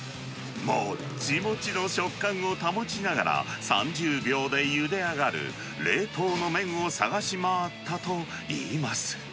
もっちもちの食感を保ちながら、３０秒でゆで上がる、冷凍の麺を探し回ったといいます。